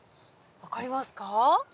分かりますか？